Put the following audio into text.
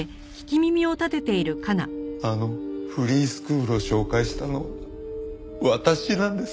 あのフリースクールを紹介したのは私なんです。